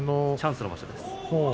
チャンスの場所ですね。